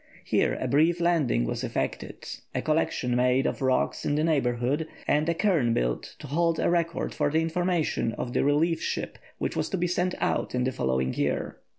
Here a brief landing was effected, a collection made of the rocks in the neighbourhood, and a cairn built to hold a record for the information of the relief ship, which was to be sent out in the following year.